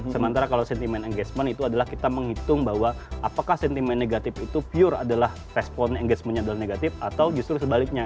sementara kalau sentimen engagement itu adalah kita menghitung bahwa apakah sentimen negatif itu pure adalah respon engagement yang negatif atau justru sebaliknya